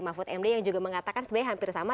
mahfud md yang juga mengatakan sebenarnya hampir sama